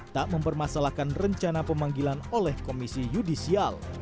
tak mempermasalahkan rencana pemanggilan oleh komisi yudisial